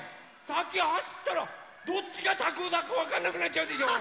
さきはしったらどっちがたこだかわかんなくなっちゃうでしょ！